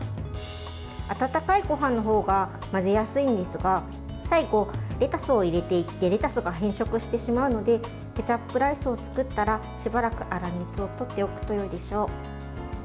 温かいごはんの方が混ぜやすいんですが最後、レタスを入れていってレタスが変色してしまうのでケチャップライスを作ったらしばらく粗熱をとっておくとよいでしょう。